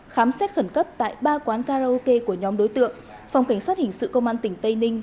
khám xét khẩn cấp tại ba quán karaoke của nhóm đối tượng phòng cảnh sát hình sự công an tỉnh tây ninh